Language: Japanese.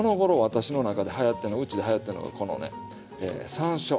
私の中ではやってんのうちではやってんのがこのねさんしょう。